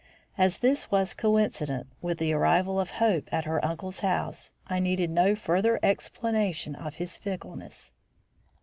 As this was coincident with the arrival of Hope at her uncle's house, I needed no further explanation of his fickleness.